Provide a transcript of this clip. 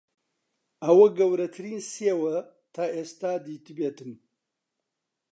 ئەوە گەورەترین سێوە تا ئێستا دیتبێتم.